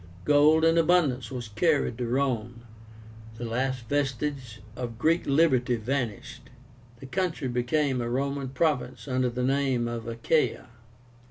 Gold in abundance was carried to Rome. The last vestige of Greek liberty vanished. The country became a Roman province under the name of ACHAIA.